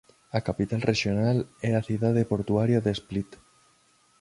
A capital rexional é a cidade portuaria de Split.